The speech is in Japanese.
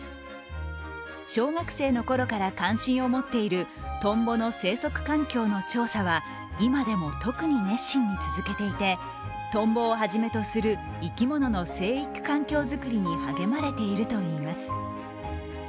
小学生の頃から関心を持っているトンボの生息環境の調査は今でも特に熱心に続けていて、トンボをはじめとする生き物の生育環境作りに励まれているといいます。